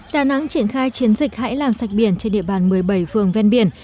đà nẵng triển khai chiến dịch hãy làm sạch biển trên địa bàn một mươi bảy phường ven biển